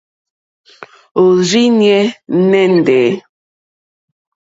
Òrzìɲɛ́ nɛ́ndɛ̀.